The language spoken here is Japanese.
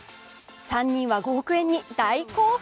３人は５億円に大興奮！